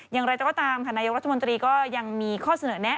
อย่างไรก็ตามค่ะนายกรัฐมนตรีก็ยังมีข้อเสนอแนะ